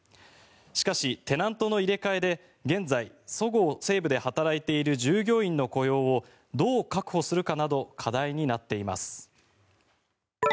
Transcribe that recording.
しかし、テナントの入れ替えで現在、そごう・西武で働いている従業員の雇用をどう確保するかなど課題になっています。